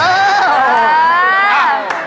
โอ้ย